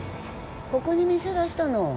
ここに店出したの？